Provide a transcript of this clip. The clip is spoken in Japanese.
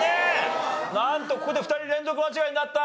なんとここで２人連続間違いになった。